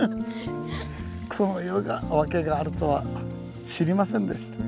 こういう訳があるとは知りませんでした。